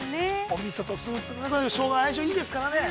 ◆おみそとスープしょうがの相性いいですからね。